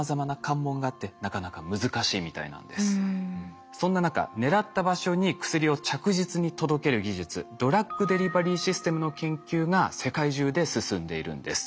実際にはそんな中狙った場所に薬を着実に届ける技術ドラッグデリバリーシステムの研究が世界中で進んでいるんです。